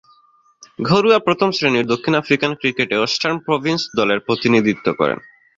ঘরোয়া প্রথম-শ্রেণীর দক্ষিণ আফ্রিকান ক্রিকেটে ওয়েস্টার্ন প্রভিন্স দলের প্রতিনিধিত্ব করেন।